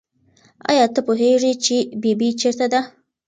آیا ته پوهېږې چې ببۍ چېرته ده؟